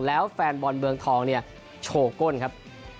แล้วแฟนบอลเมืองทองเนี่ยโชว์ก้นครับ